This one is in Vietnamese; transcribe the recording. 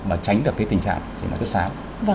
và tránh được cái tình trạng khi mà thức sáng